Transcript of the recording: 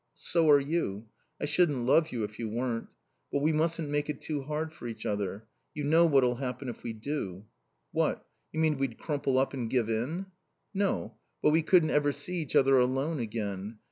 "So are you. I shouldn't love you if you weren't. But we mustn't make it too hard for each other. You know what'll happen if we do?" "What? You mean we'd crumple up and give in?" "No. But we couldn't ever see each other alone again.